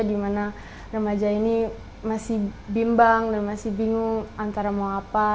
karena remaja ini masih bimbang dan masih bingung antara mau apa